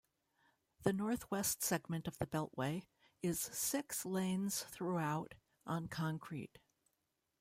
The northwest segment of the beltway is six-lanes throughout, on concrete.